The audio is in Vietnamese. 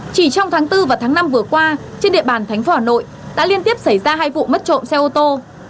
chỉ trong tháng bốn và tháng năm vừa qua trên địa bàn thành phố hà nội đã liên tiếp xảy ra hai vụ mất trộm xe ô tô